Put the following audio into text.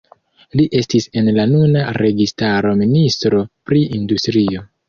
Li estis en la nuna registaro ministro pri industrio.